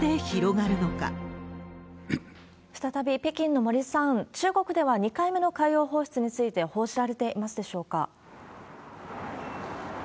再び、北京の森さん、中国では２回目の海洋放出について報じられていますでしょうか？